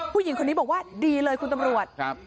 ผู้หญิงคนนี้บอกว่าดีเลยคุณตำรวจ